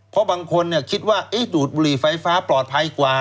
เพราะบางคนคิดว่าดูดบุหรี่ไฟฟ้าปลอดภัยกว่า